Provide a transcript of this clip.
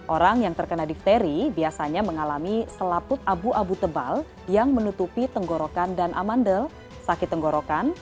orang yang terkena difteri biasanya mengalami selaput abu abu tebal yang menutupi tenggorokan dan amandel sakit tenggorokan